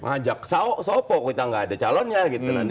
ajak sopok kita gak ada calonnya gitu